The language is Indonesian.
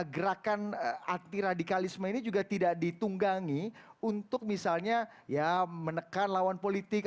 gerakan anti radikalisme ini juga tidak ditunggangi untuk misalnya ya menekan lawan politik